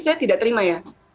saya tidak terima ya